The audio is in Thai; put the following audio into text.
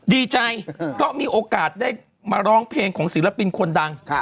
ดีใจเพราะมีโอกาสได้มาร้องเพลงของศิลปินคนดัง